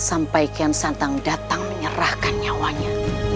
sampai kian santang datang menyerahkan nyawanya